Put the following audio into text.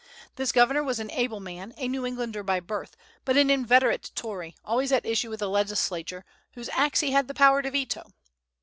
This governor was an able man, a New Englander by birth, but an inveterate Tory, always at issue with the legislature, whose acts he had the power to veto.